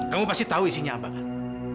kamu pasti tahu isinya apa kan